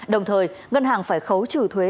đồng thời ngân hàng phải khấu trừ thuế